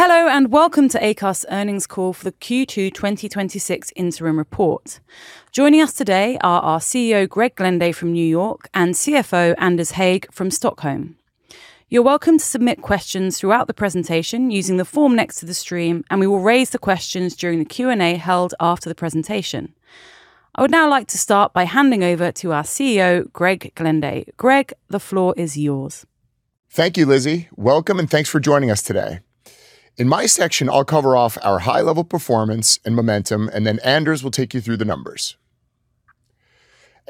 Hello, and welcome to Acast's earnings call for the Q2 2026 interim report. Joining us today are our CEO, Greg Glenday, from New York, and CFO, Anders Hägg, from Stockholm. You're welcome to submit questions throughout the presentation using the form next to the stream, and we will raise the questions during the Q&A held after the presentation. I would now like to start by handing over to our CEO, Greg Glenday. Greg, the floor is yours. Thank you, Lizzy. Welcome, and thanks for joining us today. In my section, I'll cover off our high-level performance and momentum, and then Anders will take you through the numbers.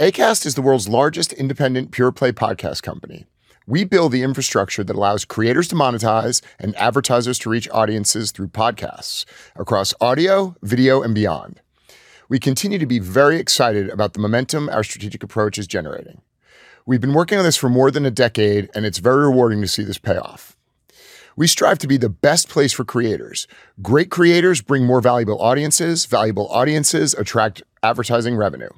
Acast is the world's largest independent pure-play podcast company. We build the infrastructure that allows creators to monetize and advertisers to reach audiences through podcasts across audio, video, and beyond. We continue to be very excited about the momentum our strategic approach is generating. We've been working on this for more than a decade, and it's very rewarding to see this pay off. We strive to be the best place for creators. Great creators bring more valuable audiences, valuable audiences attract advertising revenue.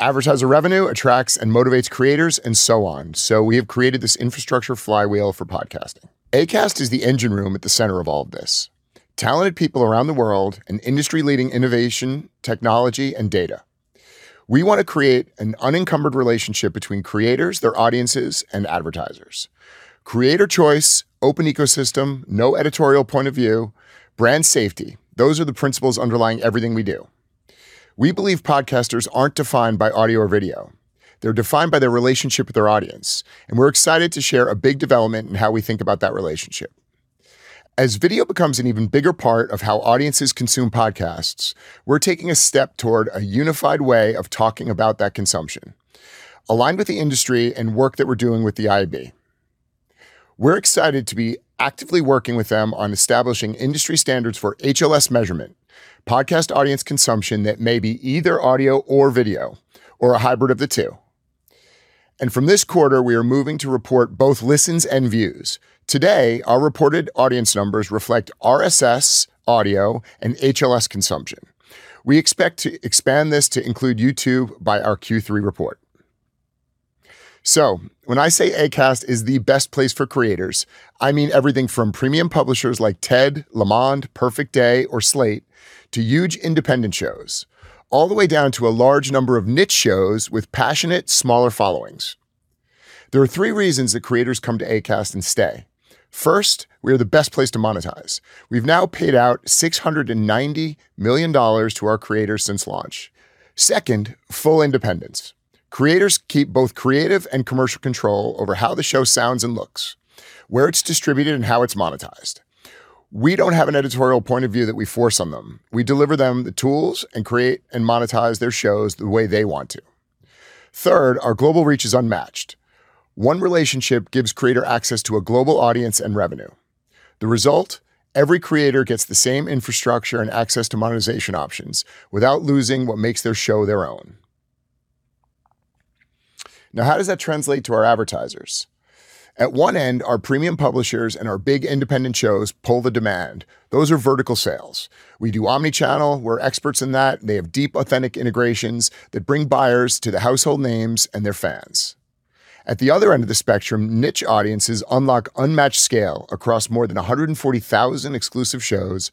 Advertiser revenue attracts and motivates creators, and so on. We have created this infrastructure flywheel for podcasting. Acast is the engine room at the center of all of this. Talented people around the world and industry-leading innovation, technology, and data. We want to create an unencumbered relationship between creators, their audiences, and advertisers. Creator choice, open ecosystem, no editorial point of view, brand safety. Those are the principles underlying everything we do. We believe podcasters aren't defined by audio or video. They're defined by their relationship with their audience, and we're excited to share a big development in how we think about that relationship. As video becomes an even bigger part of how audiences consume podcasts, we're taking a step toward a unified way of talking about that consumption, aligned with the industry and work that we're doing with the IAB. We're excited to be actively working with them on establishing industry standards for HLS measurement, podcast audience consumption that may be either audio or video, or a hybrid of the two. From this quarter, we are moving to report both listens and views. Today, our reported audience numbers reflect RSS, audio, and HLS consumption. We expect to expand this to include YouTube by our Q3 report. When I say Acast is the best place for creators, I mean everything from premium publishers like TED, Le Monde, Perfect Day, or Slate, to huge independent shows, all the way down to a large number of niche shows with passionate, smaller followings. There are three reasons that creators come to Acast and stay. First, we are the best place to monetize. We've now paid out $690 million to our creators since launch. Second, full independence. Creators keep both creative and commercial control over how the show sounds and looks, where it's distributed, and how it's monetized. We don't have an editorial point of view that we force on them. We deliver them the tools and create and monetize their shows the way they want to. Third, our global reach is unmatched. One relationship gives creator access to a global audience and revenue. The result: every creator gets the same infrastructure and access to monetization options without losing what makes their show their own. How does that translate to our advertisers? At one end, our premium publishers and our big independent shows pull the demand. Those are vertical sales. We do omnichannel. We're experts in that. They have deep, authentic integrations that bring buyers to the household names and their fans. At the other end of the spectrum, niche audiences unlock unmatched scale across more than 140,000 exclusive shows.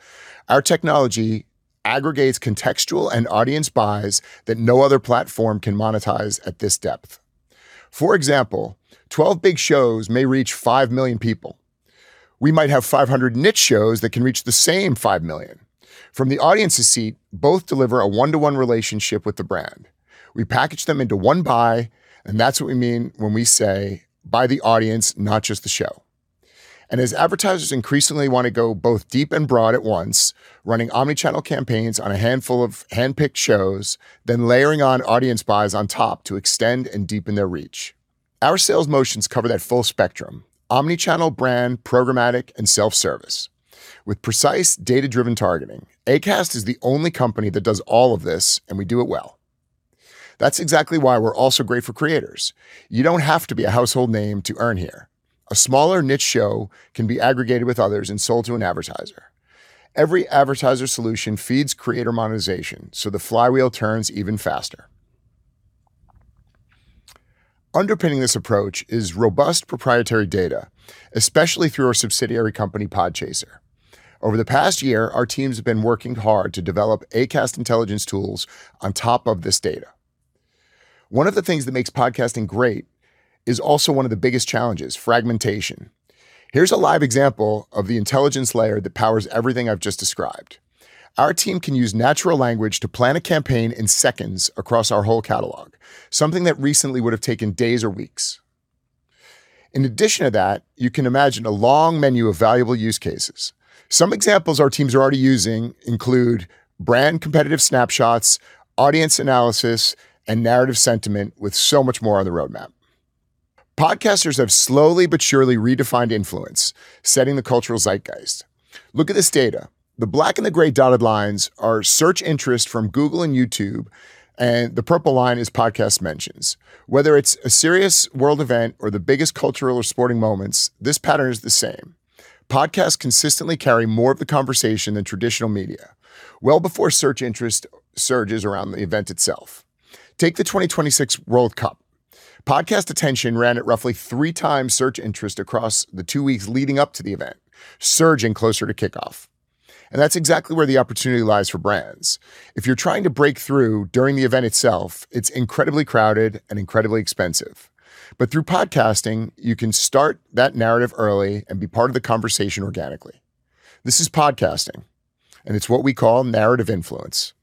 Our technology aggregates contextual and audience buys that no other platform can monetize at this depth. For example, 12 big shows may reach 5 million people. We might have 500 niche shows that can reach the same 5 million. From the audience's seat, both deliver a one-to-one relationship with the brand. We package them into one buy, that's what we mean when we say buy the audience, not just the show. As advertisers increasingly want to go both deep and broad at once, running omnichannel campaigns on a handful of handpicked shows, then layering on audience buys on top to extend and deepen their reach. Our sales motions cover that full spectrum, omnichannel brand, programmatic, and self-service. With precise data-driven targeting, Acast is the only company that does all of this, and we do it well. That's exactly why we're also great for creators. You don't have to be a household name to earn here. A smaller niche show can be aggregated with others and sold to an advertiser. Every advertiser solution feeds creator monetization, the flywheel turns even faster. Underpinning this approach is robust proprietary data, especially through our subsidiary company, Podchaser. Over the past year, our teams have been working hard to develop Acast Intelligence tools on top of this data. One of the things that makes podcasting great is also one of the biggest challenges: fragmentation. Here's a live example of the intelligence layer that powers everything I've just described. Our team can use natural language to plan a campaign in seconds across our whole catalog, something that recently would have taken days or weeks. In addition to that, you can imagine a long menu of valuable use cases. Some examples our teams are already using include brand competitive snapshots, audience analysis, and narrative sentiment, with so much more on the roadmap. Podcasters have slowly but surely redefined influence, setting the cultural zeitgeist. Look at this data. The black and the gray dotted lines are search interest from Google and YouTube, the purple line is podcast mentions. Whether it's a serious world event or the biggest cultural or sporting moments, this pattern is the same. Podcasts consistently carry more of the conversation than traditional media well before search interest surges around the event itself. Take the 2026 World Cup Podcast attention ran at roughly three times search interest across the two weeks leading up to the event, surging closer to kickoff. That's exactly where the opportunity lies for brands. If you're trying to break through during the event itself, it's incredibly crowded and incredibly expensive. Through podcasting, you can start that narrative early and be part of the conversation organically. This is podcasting, it's what we call narrative influence.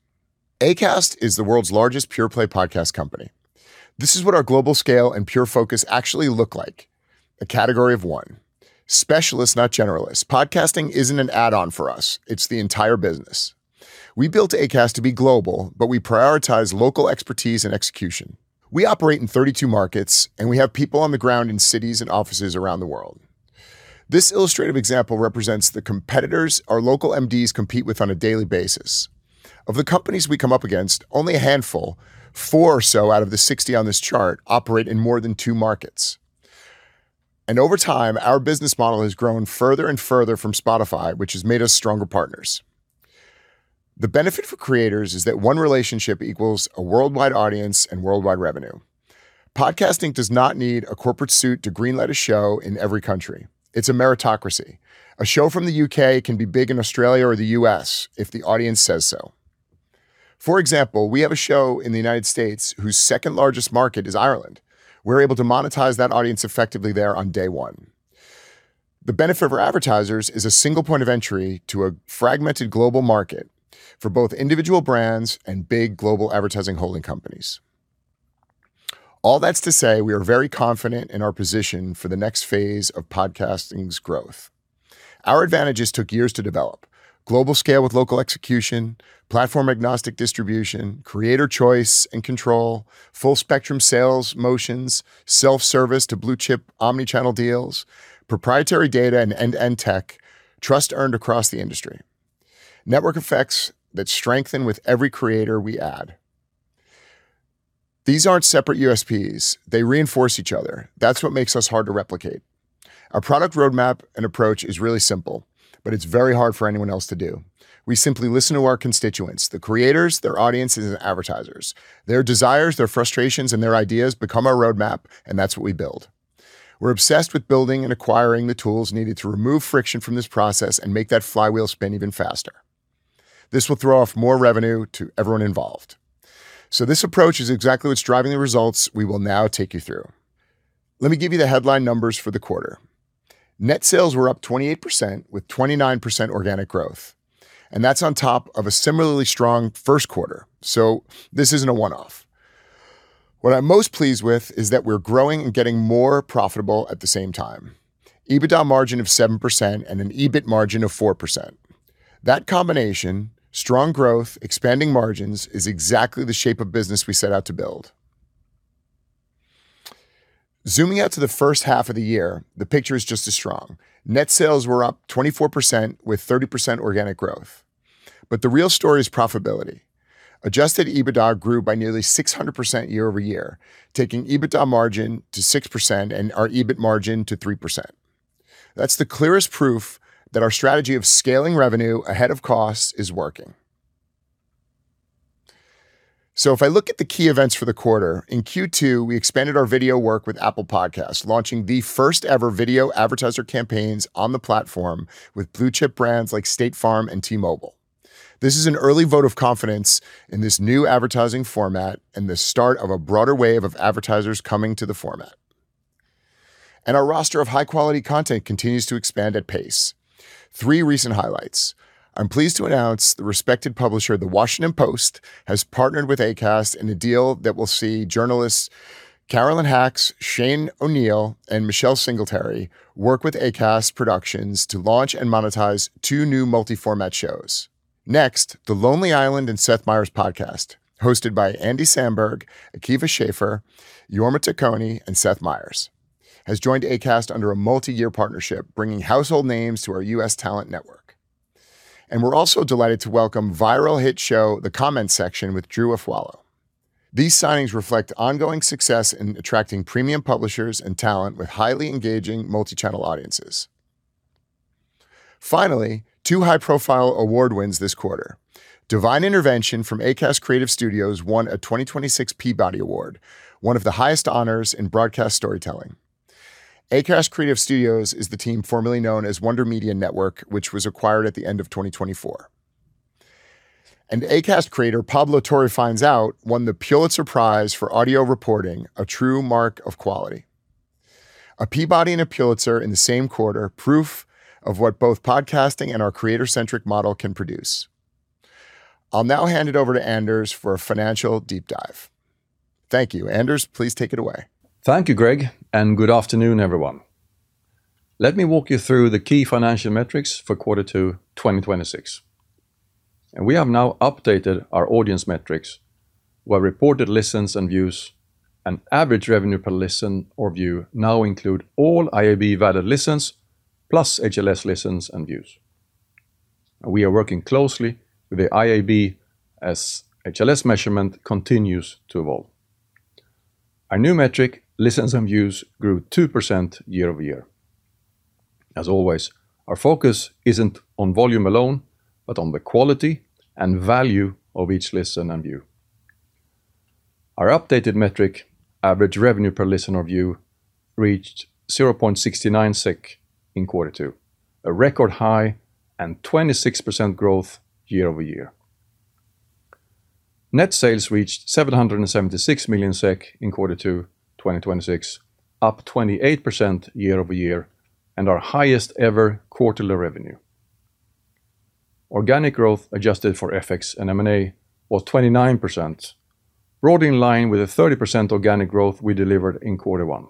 Acast is the world's largest pure-play podcast company. This is what our global scale and pure focus actually look like: a category of one. Specialists, not generalists. Podcasting isn't an add-on for us. It's the entire business. We built Acast to be global, but we prioritize local expertise and execution. We operate in 32 markets, and we have people on the ground in cities and offices around the world. This illustrative example represents the competitors our local MDs compete with on a daily basis. Of the companies we come up against, only a handful, four or so out of the 60 on this chart, operate in more than two markets. Over time, our business model has grown further and further from Spotify, which has made us stronger partners. The benefit for creators is that one relationship equals a worldwide audience and worldwide revenue. Podcasting does not need a corporate suit to green-light a show in every country. It's a meritocracy. A show from the U.K. can be big in Australia or the U.S. if the audience says so. For example, we have a show in the United States whose second-largest market is Ireland. We're able to monetize that audience effectively there on day one. The benefit for advertisers is a single point of entry to a fragmented global market for both individual brands and big global advertising holding companies. All that's to say, we are very confident in our position for the next phase of podcasting's growth. Our advantages took years to develop: global scale with local execution, platform-agnostic distribution, creator choice and control, full-spectrum sales motions, self-service to blue-chip omni-channel deals, proprietary data and end-to-end tech, trust earned across the industry. Network effects that strengthen with every creator we add. These aren't separate USPs. They reinforce each other. That's what makes us hard to replicate. Our product roadmap and approach is really simple, but it's very hard for anyone else to do. We simply listen to our constituents, the creators, their audiences, and advertisers. Their desires, their frustrations, and their ideas become our roadmap, and that's what we build. We're obsessed with building and acquiring the tools needed to remove friction from this process and make that flywheel spin even faster. This will throw off more revenue to everyone involved. This approach is exactly what's driving the results we will now take you through. Let me give you the headline numbers for the quarter. Net sales were up 28% with 29% organic growth, and that's on top of a similarly strong first quarter. This isn't a one-off. What I'm most pleased with is that we're growing and getting more profitable at the same time. EBITDA margin of 7% and an EBIT margin of 4%. That combination, strong growth, expanding margins, is exactly the shape of business we set out to build. Zooming out to the first half of the year, the picture is just as strong. Net sales were up 24% with 30% organic growth. The real story is profitability. Adjusted EBITDA grew by nearly 600% year-over-year, taking EBITDA margin to 6% and our EBIT margin to 3%. That's the clearest proof that our strategy of scaling revenue ahead of cost is working. If I look at the key events for the quarter, in Q2, we expanded our video work with Apple Podcasts, launching the first-ever video advertiser campaigns on the platform with blue-chip brands like State Farm and T-Mobile. This is an early vote of confidence in this new advertising format and the start of a broader wave of advertisers coming to the format. Our roster of high-quality content continues to expand at pace. Three recent highlights. I'm pleased to announce the respected publisher, The Washington Post, has partnered with Acast in a deal that will see journalists Carolyn Hax, Shane O'Neill, and Michelle Singletary work with Acast Productions to launch and monetize two new multi-format shows. Next, The Lonely Island and Seth Meyers podcast, hosted by Andy Samberg, Akiva Schaffer, Jorma Taccone, and Seth Meyers, has joined Acast under a multi-year partnership bringing household names to our U.S. talent network. We're also delighted to welcome viral hit show, "The Comment Section" with Drew Afualo. These signings reflect ongoing success in attracting premium publishers and talent with highly engaging multi-channel audiences. Finally, two high-profile award wins this quarter. Divine Intervention from Acast Creative Studios won a 2026 Peabody Award, one of the highest honors in broadcast storytelling. Acast Creative Studios is the team formerly known as Wonder Media Network, which was acquired at the end of 2024. Acast creator Pablo Torre Finds Out won the Pulitzer Prize for audio reporting, a true mark of quality. A Peabody and a Pulitzer in the same quarter, proof of what both podcasting and our creator-centric model can produce. I'll now hand it over to Anders for a financial deep dive. Thank you. Anders, please take it away. Thank you, Greg, and good afternoon, everyone. Let me walk you through the key financial metrics for quarter two 2026. We have now updated our audience metrics, where reported listens and views and average revenue per listen or view now include all IAB-validated listens plus HLS listens and views. We are working closely with the IAB as HLS measurement continues to evolve. Our new metric, listens and views, grew 2% year-over-year. As always, our focus isn't on volume alone, but on the quality and value of each listen and view. Our updated metric, average revenue per listen or view, reached 0.69 SEK in quarter two, a record high and 26% growth year-over-year. Net sales reached 776 million SEK in quarter two 2026, up 28% year-over-year and our highest ever quarterly revenue. Organic growth adjusted for FX and M&A was 29%, broadly in line with the 30% organic growth we delivered in quarter one.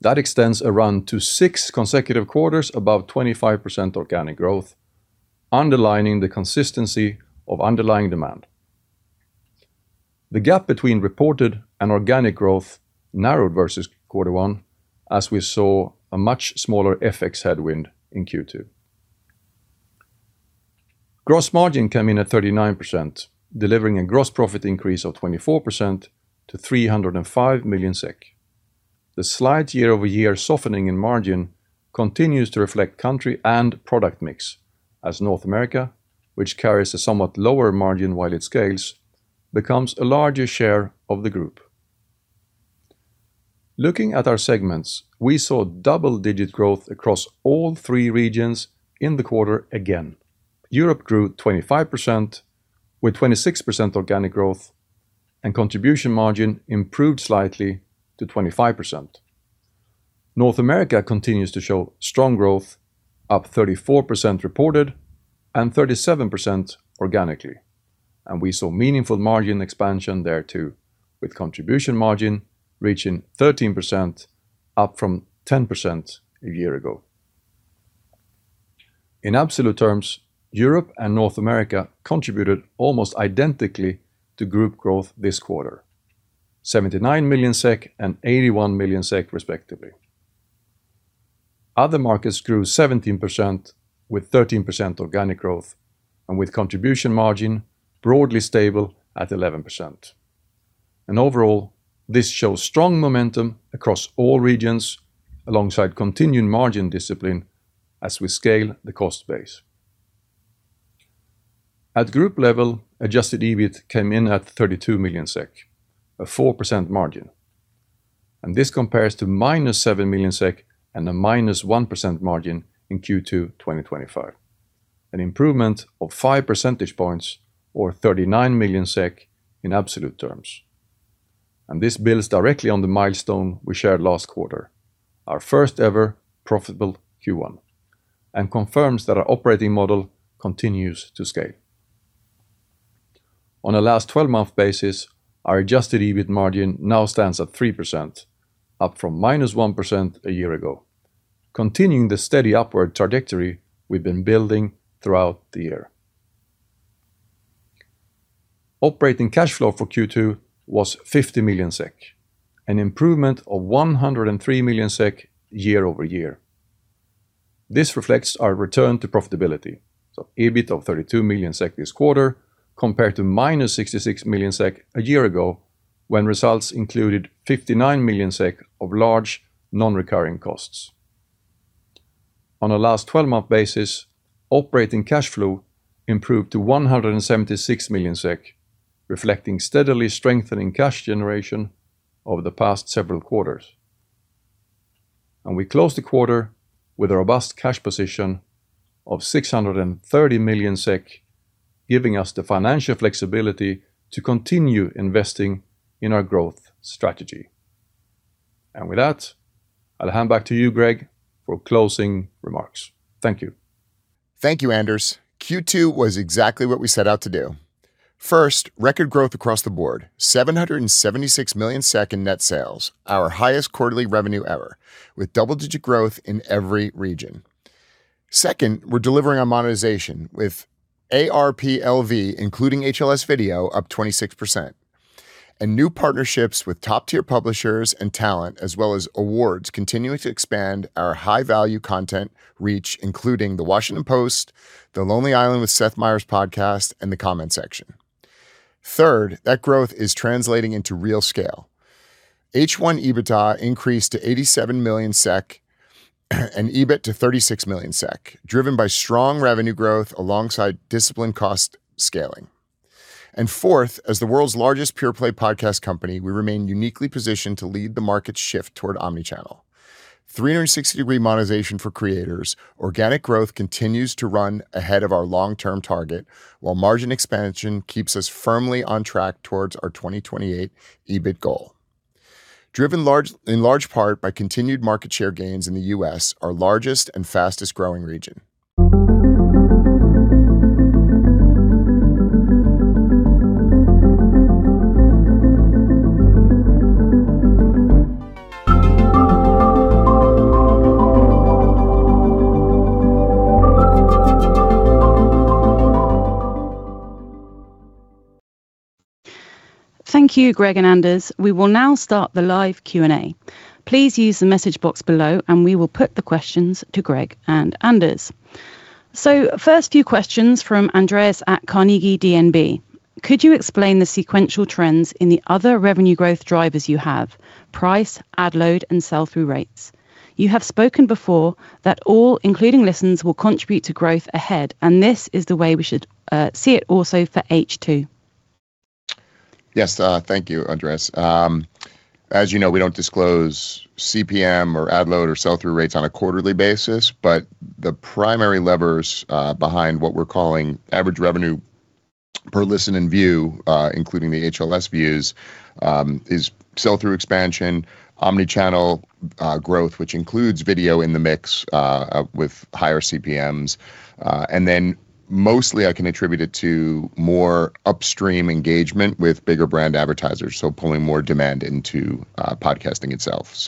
That extends a run to six consecutive quarters above 25% organic growth, underlining the consistency of underlying demand. The gap between reported and organic growth narrowed versus quarter one, as we saw a much smaller FX headwind in Q2. Gross margin came in at 39%, delivering a gross profit increase of 24% to 305 million SEK. The slight year-over-year softening in margin continues to reflect country and product mix as North America, which carries a somewhat lower margin while it scales, becomes a larger share of the group. Looking at our segments, we saw double-digit growth across all three regions in the quarter again. Europe grew 25% with 26% organic growth, and contribution margin improved slightly to 25%. North America continues to show strong growth, up 34% reported and 37% organically. We saw meaningful margin expansion there too, with contribution margin reaching 13%, up from 10% a year ago. In absolute terms, Europe and North America contributed almost identically to group growth this quarter, 79 million SEK and 81 million SEK respectively. Other markets grew 17% with 13% organic growth and with contribution margin broadly stable at 11%. Overall, this shows strong momentum across all regions alongside continuing margin discipline as we scale the cost base. At group level, adjusted EBIT came in at 32 million SEK, a 4% margin, and this compares to -7 million SEK and a -1% margin in Q2 2025, an improvement of five percentage points or 39 million SEK in absolute terms. This builds directly on the milestone we shared last quarter, our first ever profitable Q1, and confirms that our operating model continues to scale. On a last 12-month basis, our adjusted EBIT margin now stands at 3%, up from -1% a year ago, continuing the steady upward trajectory we've been building throughout the year. Operating cash flow for Q2 was 50 million SEK, an improvement of 103 million SEK year-over-year. This reflects our return to profitability, so EBIT of 32 million SEK this quarter compared to -66 million SEK a year ago when results included 59 million SEK of large non-recurring costs. On a last 12-month basis, operating cash flow improved to 176 million SEK, reflecting steadily strengthening cash generation over the past several quarters. We closed the quarter with a robust cash position of 630 million SEK, giving us the financial flexibility to continue investing in our growth strategy. With that, I'll hand back to you, Greg, for closing remarks. Thank you. Thank you, Anders. Q2 was exactly what we set out to do. First, record growth across the board, 776 million SEK in net sales, our highest quarterly revenue ever, with double-digit growth in every region. Second, we're delivering on monetization with ARPLV, including HLS video, up 26%. New partnerships with top-tier publishers and talent, as well as awards continuing to expand our high-value content reach, including The Washington Post, The Lonely Island with Seth Meyers Podcast, and The Comment Section. Third, that growth is translating into real scale. H1 EBITDA increased to 87 million SEK and EBIT to 36 million SEK, driven by strong revenue growth alongside disciplined cost scaling. Fourth, as the world's largest pure play podcast company, we remain uniquely positioned to lead the market shift toward omni-channel. 360-degree monetization for creators. Organic growth continues to run ahead of our long-term target, while margin expansion keeps us firmly on track towards our 2028 EBIT goal. Driven in large part by continued market share gains in the U.S., our largest and fastest-growing region. Thank you, Greg and Anders. We will now start the live Q&A. Please use the message box below and we will put the questions to Greg and Anders. First few questions from Andreas at DNB Carnegie. Could you explain the sequential trends in the other revenue growth drivers you have, price, ad load, and sell-through rates? You have spoken before that all, including listens, will contribute to growth ahead, and this is the way we should see it also for H2. Yes. Thank you, Andreas. As you know, we don't disclose CPM or ad load or sell-through rates on a quarterly basis, but the primary levers behind what we're calling average revenue per listen and view, including the HLS views, is sell-through expansion, omni-channel growth, which includes video in the mix, with higher CPMs. Mostly I can attribute it to more upstream engagement with bigger brand advertisers, pulling more demand into podcasting itself.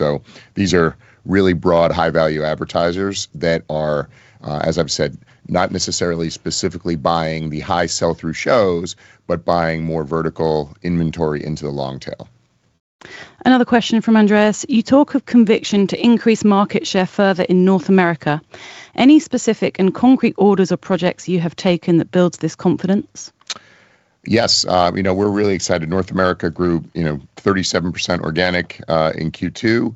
These are really broad, high-value advertisers that are, as I've said, not necessarily specifically buying the high sell-through shows, but buying more vertical inventory into the long tail. Another question from Andreas. You talk of conviction to increase market share further in North America. Any specific and concrete orders or projects you have taken that builds this confidence? Yes. We're really excited. North America grew 37% organic in Q2,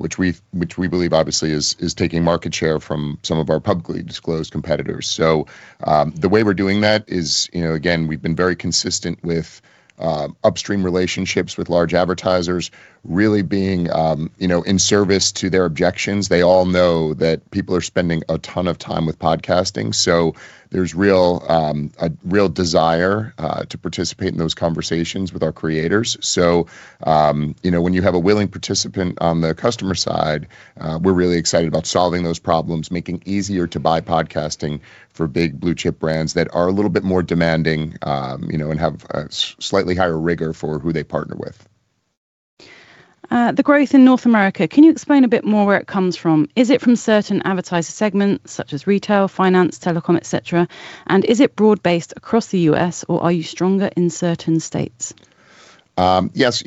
which we believe obviously is taking market share from some of our publicly disclosed competitors. The way we're doing that is, again, we've been very consistent with upstream relationships with large advertisers really being in service to their objections. They all know that people are spending a ton of time with podcasting, there's a real desire to participate in those conversations with our creators. When you have a willing participant on the customer side, we're really excited about solving those problems, making easier to buy podcasting for big blue-chip brands that are a little bit more demanding, and have a slightly higher rigor for who they partner with. The growth in North America, can you explain a bit more where it comes from? Is it from certain advertiser segments, such as retail, finance, telecom, et cetera? Is it broad-based across the U.S., or are you stronger in certain states? Yes.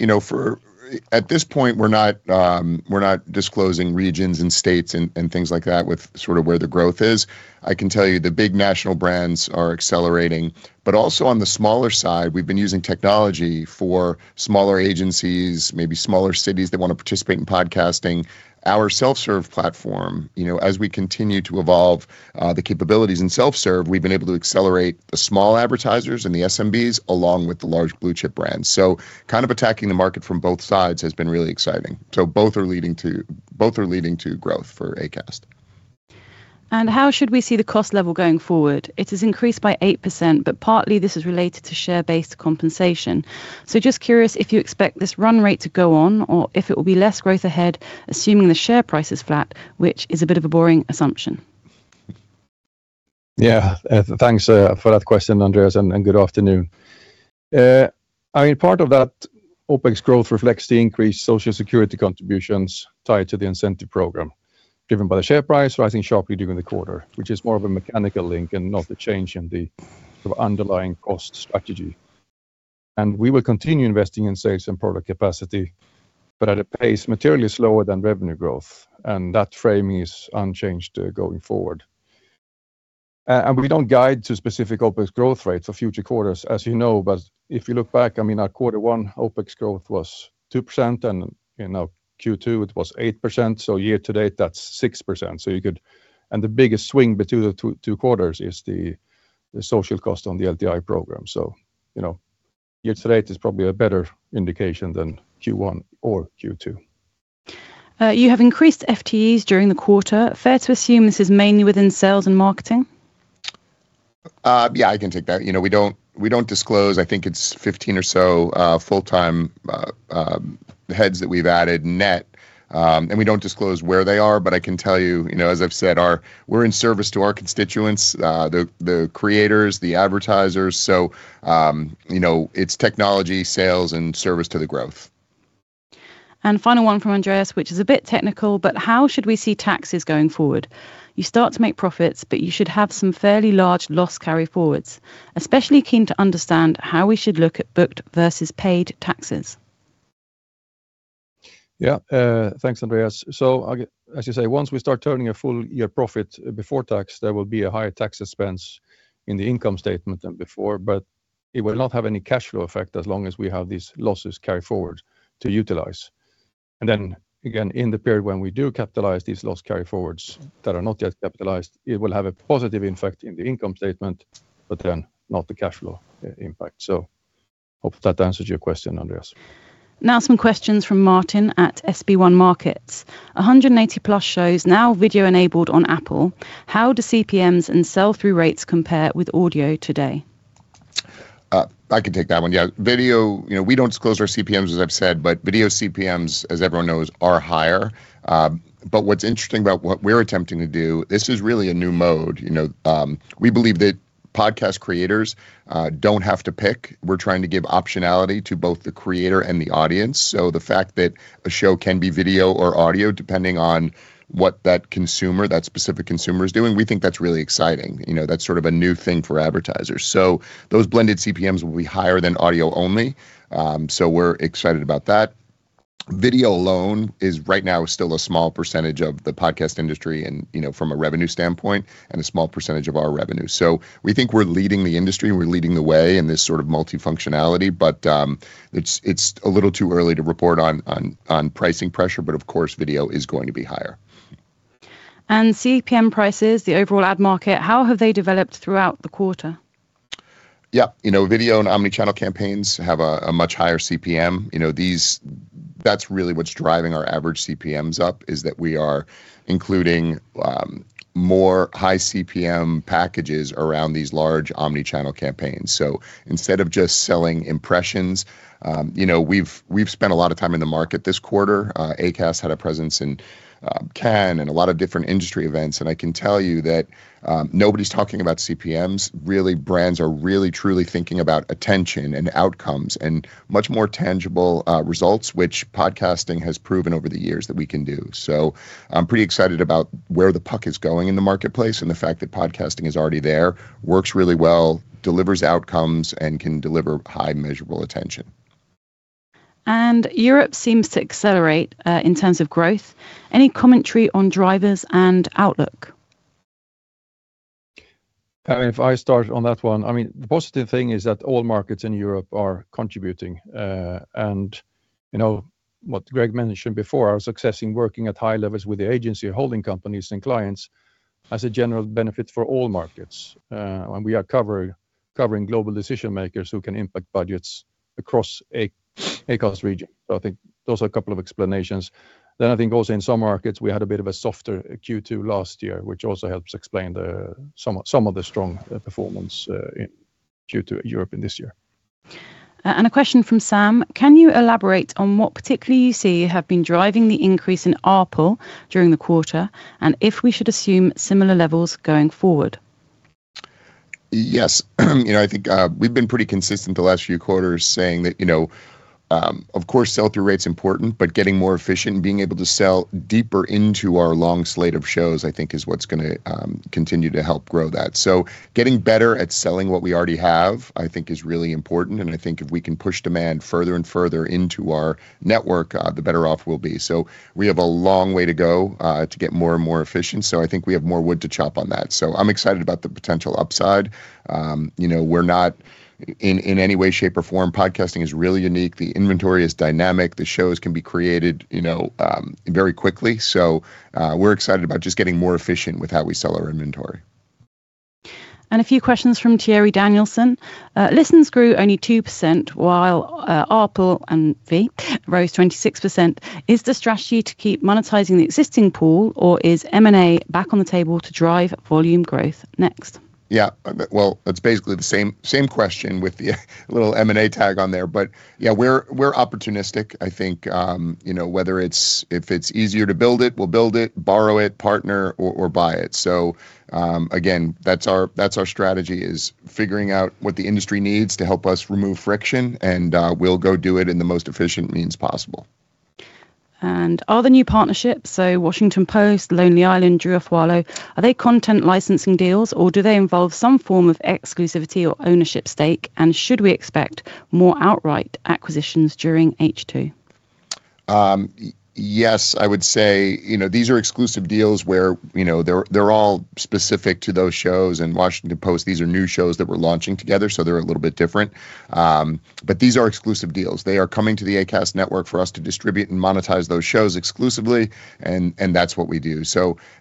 At this point, we're not disclosing regions and states and things like that with sort of where the growth is. I can tell you the big national brands are accelerating. Also on the smaller side, we've been using technology for smaller agencies, maybe smaller cities that want to participate in podcasting. Our self-serve platform, as we continue to evolve the capabilities in self-serve, we've been able to accelerate the small advertisers and the SMBs, along with the large blue-chip brands. Kind of attacking the market from both sides has been really exciting. Both are leading to growth for Acast. How should we see the cost level going forward? It has increased by 8%, but partly this is related to share-based compensation. Just curious if you expect this run rate to go on or if it will be less growth ahead, assuming the share price is flat, which is a bit of a boring assumption. Yeah. Thanks for that question, Andreas, and good afternoon. Part of that OpEx growth reflects the increased social security contributions tied to the incentive program driven by the share price rising sharply during the quarter, which is more of a mechanical link and not the change in the underlying cost strategy. We will continue investing in sales and product capacity but at a pace materially slower than revenue growth, and that framing is unchanged going forward. We don't guide to specific OpEx growth rates for future quarters, as you know. If you look back, our quarter one OpEx growth was 2% and in our Q2, it was 8%, so year-to-date, that's 6%. The biggest swing between the two quarters is the social cost on the LTI program. Year-to-date is probably a better indication than Q1 or Q2. You have increased FTEs during the quarter. Fair to assume this is mainly within sales and marketing? Yeah, I can take that. We don't disclose. I think it's 15 or so full-time heads that we've added net, and we don't disclose where they are, but I can tell you, as I've said, we're in service to our constituents, the creators, the advertisers, so it's technology, sales, and service to the growth. Final one from Andreas, which is a bit technical, but how should we see taxes going forward? You start to make profits, but you should have some fairly large loss carryforwards. Especially keen to understand how we should look at booked versus paid taxes. Thanks, Andreas. As you say, once we start turning a full year profit before tax, there will be a higher tax expense in the income statement than before, it will not have any cash flow effect as long as we have these losses carryforward to utilize. Again, in the period when we do capitalize these loss carryforwards that are not yet capitalized, it will have a positive effect in the income statement, not the cash flow impact. Hope that answers your question, Andreas. Some questions from Martin at SB1 Markets. 180 plus shows now video-enabled on Apple. How do CPMs and sell-through rates compare with audio today? I can take that one. Yeah. We don't disclose our CPMs, as I've said, video CPMs, as everyone knows, are higher. What's interesting about what we're attempting to do, this is really a new mode. We believe that podcast creators don't have to pick. We're trying to give optionality to both the creator and the audience. The fact that a show can be video or audio, depending on what that specific consumer is doing, we think that's really exciting. That's sort of a new thing for advertisers. Those blended CPMs will be higher than audio only. We're excited about that. Video alone is right now still a small percentage of the podcast industry, and from a revenue standpoint, and a small percentage of our revenue. We think we're leading the industry, we're leading the way in this sort of multifunctionality, it's a little too early to report on pricing pressure. Of course, video is going to be higher. CPM prices, the overall ad market, how have they developed throughout the quarter? Yeah. Video and omni-channel campaigns have a much higher CPM. That's really what's driving our average CPMs up, is that we are including more high CPM packages around these large omni-channel campaigns. Instead of just selling impressions, we've spent a lot of time in the market this quarter. Acast had a presence in Cannes and a lot of different industry events. I can tell you that nobody's talking about CPMs. Brands are really, truly thinking about attention and outcomes and much more tangible results, which podcasting has proven over the years that we can do. I'm pretty excited about where the puck is going in the marketplace, and the fact that podcasting is already there, works really well, delivers outcomes, and can deliver high measurable attention. Europe seems to accelerate in terms of growth. Any commentary on drivers and outlook? If I start on that one, the positive thing is that all markets in Europe are contributing. What Greg mentioned before, our success in working at high levels with the agency, holding companies, and clients, as a general benefit for all markets. We are covering global decision-makers who can impact budgets across Acast regions. I think those are a couple of explanations. I think also in some markets, we had a bit of a softer Q2 last year, which also helps explain some of the strong performance in Q2 at Europe in this year. A question from Sam. Can you elaborate on what particularly you see have been driving the increase in ARPU during the quarter, and if we should assume similar levels going forward? Yes. I think we've been pretty consistent the last few quarters saying that, of course, sell-through rate's important, but getting more efficient, being able to sell deeper into our long slate of shows, I think is what's going to continue to help grow that. Getting better at selling what we already have, I think is really important. I think if we can push demand further and further into our network, the better off we'll be. We have a long way to go to get more and more efficient. I think we have more wood to chop on that. I'm excited about the potential upside. We're not in any way, shape, or form, podcasting is really unique. The inventory is dynamic. The shows can be created very quickly. We're excited about just getting more efficient with how we sell our inventory. A few questions from Thierry Danielson. Listens grew only 2% while ARPU and fee rose 26%. Is the strategy to keep monetizing the existing pool, or is M&A back on the table to drive volume growth next? Yeah. Well, that's basically the same question with the little M&A tag on there. Yeah, we're opportunistic. I think if it's easier to build it, we'll build it, borrow it, partner, or buy it. Again, that's our strategy, is figuring out what the industry needs to help us remove friction, and we'll go do it in the most efficient means possible. Are the new partnerships, so The Washington Post, The Lonely Island, Drew Afualo, are they content licensing deals, or do they involve some form of exclusivity or ownership stake? Should we expect more outright acquisitions during H2? Yes. I would say these are exclusive deals where they're all specific to those shows. In The Washington Post, these are new shows that we're launching together, so they're a little bit different. These are exclusive deals. They are coming to the Acast network for us to distribute and monetize those shows exclusively, and that's what we do.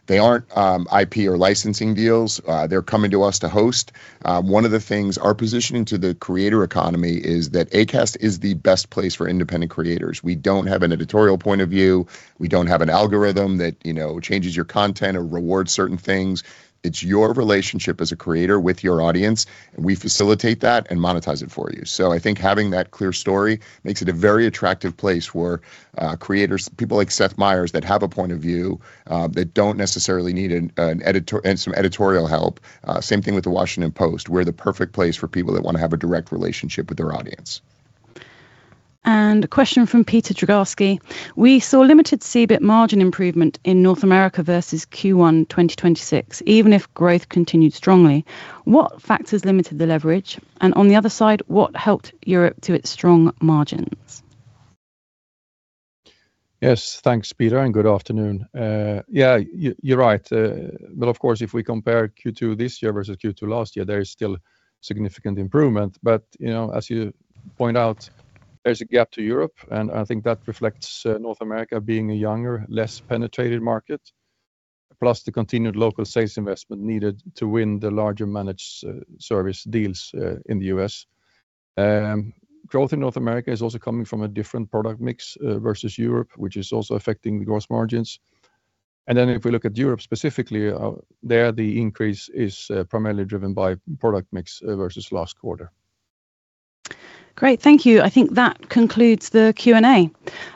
They aren't IP or licensing deals. They're coming to us to host. One of the things, our positioning to the creator economy is that Acast is the best place for independent creators. We don't have an editorial point of view. We don't have an algorithm that changes your content or rewards certain things. It's your relationship as a creator with your audience. We facilitate that and monetize it for you. I think having that clear story makes it a very attractive place where creators, people like Seth Meyers, that have a point of view, that don't necessarily need some editorial help. Same thing with The Washington Post. We're the perfect place for people that want to have a direct relationship with their audience. A question from Peter Turgowsky. We saw limited EBIT margin improvement in North America versus Q1 2026, even if growth continued strongly. What factors limited the leverage? On the other side, what helped Europe to its strong margins? Yes, thanks, Peter, and good afternoon. Yeah, you're right. Of course, if we compare Q2 this year versus Q2 last year, there is still significant improvement. As you point out, there's a gap to Europe, and I think that reflects North America being a younger, less penetrated market, plus the continued local sales investment needed to win the larger managed service deals in the U.S. Growth in North America is also coming from a different product mix versus Europe, which is also affecting the gross margins. If we look at Europe specifically, there the increase is primarily driven by product mix versus last quarter. Great. Thank you. I think that concludes the Q&A.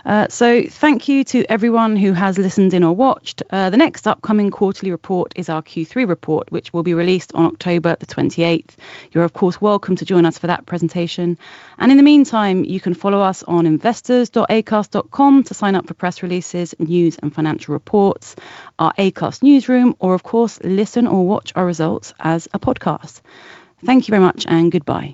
Thank you to everyone who has listened in or watched. The next upcoming quarterly report is our Q3 report, which will be released on October the 28th. You're, of course, welcome to join us for that presentation. In the meantime, you can follow us on investors.acast.com to sign up for press releases, news, and financial reports, our Acast newsroom, or of course, listen or watch our results as a podcast. Thank you very much, and goodbye.